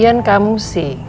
lagian kamu sih